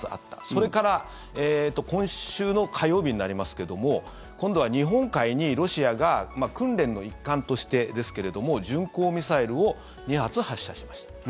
それから今週の火曜日になりますけども今度は日本海に、ロシアが訓練の一環としてですけれども巡航ミサイルを２発発射しました。